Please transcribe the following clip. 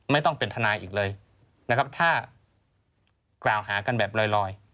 ไม่ต้องเป็นทนายอีกเลยนะครับถ้ากล่าวหากันแบบลอย